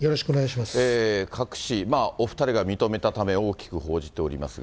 各紙、お２人が認めたため、大きく報じておりますが。